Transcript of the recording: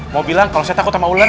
mau bilang kalau saya takut sama ular